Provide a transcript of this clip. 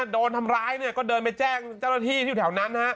โดนทำร้ายก็เดินไปแจ้ง๙๑ที่อยู่แถวนั้น